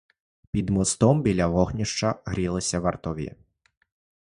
Під мостом біля вогнища грілися вартові.